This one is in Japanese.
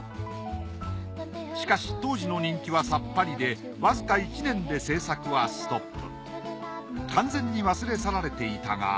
しかし当時の人気はさっぱりでわずか１年で制作はストップ。